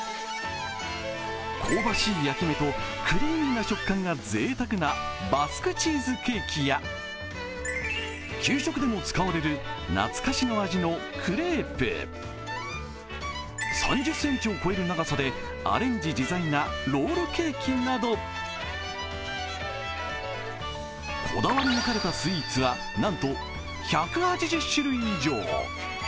香ばしい焼き目とクリーミーな食感がぜいたくなバスクチーズケーキや給食でも使われる懐かしの味のクレープ、３０ｃｍを超える長さでアレンジ自在なロールケーキなどこだわり抜かれたスイーツはなんと１８０種類以上。